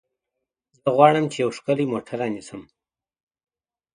زه غواړم چې یو ښکلی موټر رانیسم.